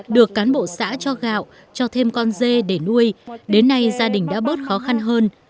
được cán bộ xã cho gạo cho thêm con dê để nuôi đến nay gia đình đã bớt khó khăn hơn